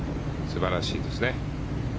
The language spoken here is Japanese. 素晴らしいですね。